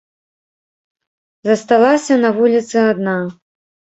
Засталася на вуліцы адна.